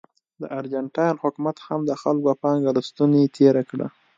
د ارجنټاین حکومت هم د خلکو پانګه له ستونې تېره کړه.